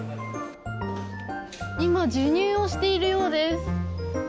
今授乳をしているようです。